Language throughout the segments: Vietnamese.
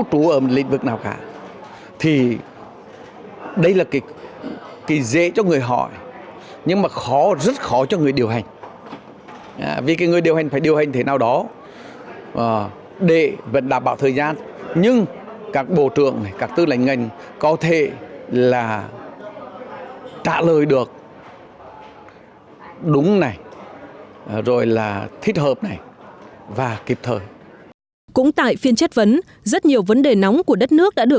tuy nhiên các đại biểu cũng phân tích những điểm còn tồn tại của các phiên làm việc và hy vọng các cam kết của các vị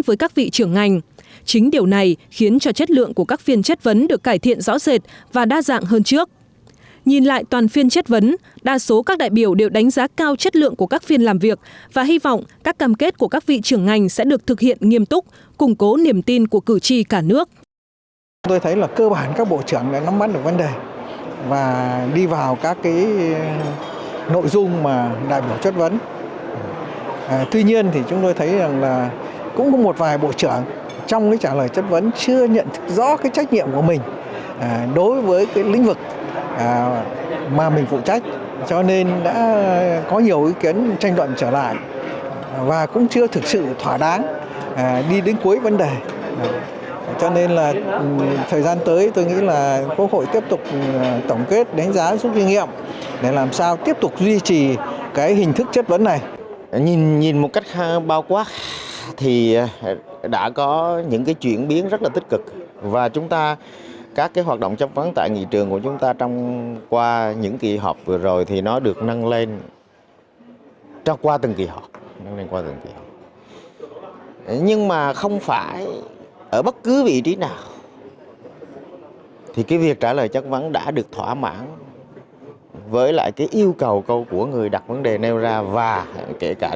trưởng ngành sẽ được thực hiện nghiêm túc củng cố niềm tin của các phiên làm việc và hy vọng các cam kết của các vị trưởng ngành sẽ được thực hiện nghiêm túc củng cố niềm tin của các vị trưởng ngành sẽ được thực hiện nghiêm túc củng cố niềm tin của các vị trưởng ngành sẽ được thực hiện nghiêm túc củng cố niềm tin của các vị trưởng ngành sẽ được thực hiện nghiêm túc củng cố niềm tin của các vị trưởng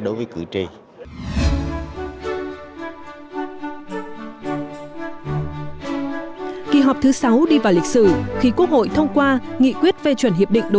ngành sẽ được thực hiện nghiêm túc củng cố niềm tin của các vị trưởng ngành sẽ được thực hiện nghiêm túc củ